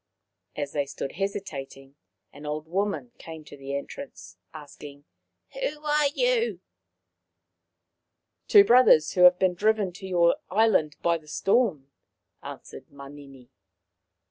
As they stood hesitating, an old woman came to the entrance, asking," Who are you ?"" Two brothers who have been driven to your island by the storm," answered Manini.